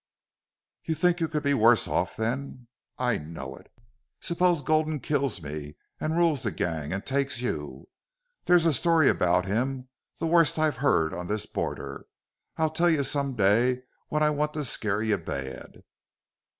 "You think you could be worse off, then?" "I know it." "Suppose Gulden kills me and rules the gang and takes you?... There's a story about him, the worst I've heard on this border. I'll tell you some day when I want to scare you bad."